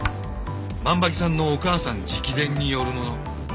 万場木さんのお母さん直伝によるもの。